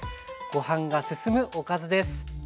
ご飯が進むおかずです。